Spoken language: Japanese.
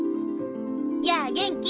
やぁ元気？